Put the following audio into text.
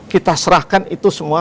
kita serahkan itu semua